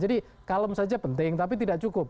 jadi kalem saja penting tapi tidak cukup